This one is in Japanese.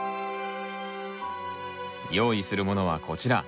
用意するものはこちら。